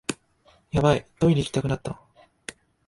ヤバい、トイレ行きたくなった